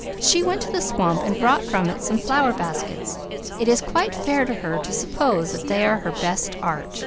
She went to the swamp and brought from it some flower baskets. It is perfectly fair to her to suppose that they are her best art.